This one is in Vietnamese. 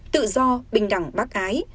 tự do bình đẳng bác ái